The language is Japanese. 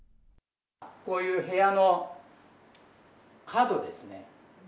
こういう部屋の角ですね。